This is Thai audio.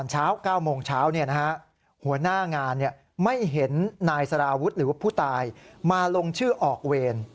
หัวหน้างานไม่เห็นนายสารวุฒิหรือผู้ตายมาลงชื่อออกเวร